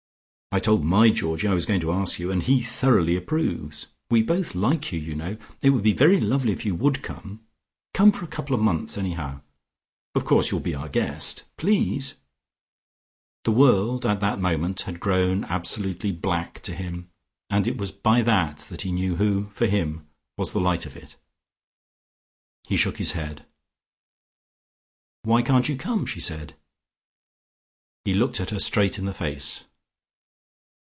I told my Georgie I was going to ask you, and he thoroughly approves. We both like you, you know. It would be lovely if you would come. Come for a couple of months, anyhow: of course you'll be our guest, please." The world, at that moment, had grown absolutely black to him, and it was by that that he knew who, for him, was the light of it. He shook his head. "Why can't you come?" she said. He looked at her straight in the face.